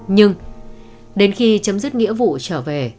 nhưng đến khi chấm dứt nghĩa vụ trở về